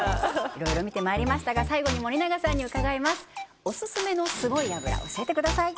いろいろ見てまいりましたが最後に森永さんに伺いますオススメのすごい油教えてください